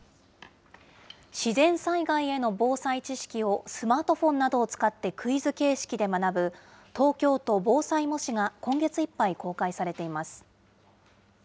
自然災害への防災知識をスマートフォンなどを使ってクイズ形式で学ぶ、東京都防災模試が今月いっぱい公開されています。